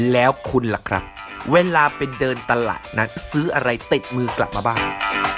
แล้วคุณล่ะครับเวลาไปเดินตลาดนั้นซื้ออะไรติดมือกลับมาบ้าง